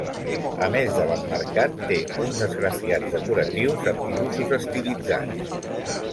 A més de l'emmarcat té uns esgrafiats decoratius, amb dibuixos estilitzats.